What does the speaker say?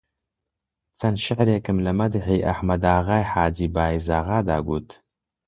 چەند شیعرێکم لە مەدحی ئەحمەداغای حاجی بایزاغادا گوت